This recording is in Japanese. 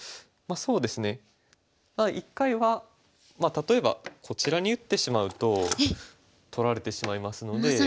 そうですね一回はまあ例えばこちらに打ってしまうと取られてしまいますので。